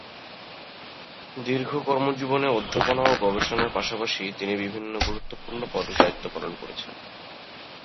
দীর্ঘ কর্মজীবনে অধ্যাপনা ও গবেষণার পাশাপাশি তিনি বিভিন্ন গুরুত্বপূর্ণ পদে দায়িত্ব পালন করেছেন।